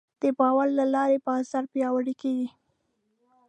د باور له لارې بازار پیاوړی کېږي.